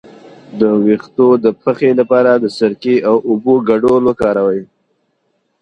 د ویښتو د پخې لپاره د سرکې او اوبو ګډول وکاروئ